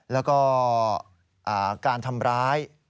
แล้วก็การทำร้าย